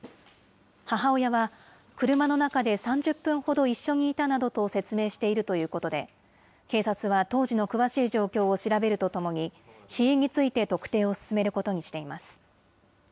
母親は、車の中で３０分ほど一緒にいたなどと説明しているということで、警察は当時の詳しい状況を調べるとともに、死因について特定を進めることにしています。